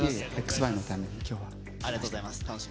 ＸＹのためにきょありがとうございます。